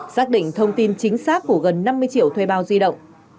xác định thông tin chính xác của gần năm mươi triệu thuê bao di động